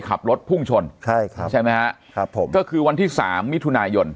ขับรถพุ่งชนใช่ครับใช่ไหมฮะครับผมก็คือวันที่สามมิถุนายน